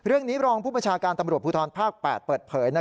รองผู้ประชาการตำรวจภูทรภาค๘เปิดเผย